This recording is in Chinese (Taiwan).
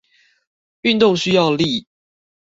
運動需要力